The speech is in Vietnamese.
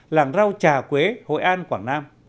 làng rau trà quế hội an quảng nam